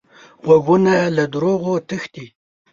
غوږونه له دروغو تښتي